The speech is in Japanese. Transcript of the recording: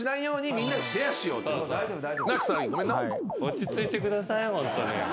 落ち着いてくださいホントに。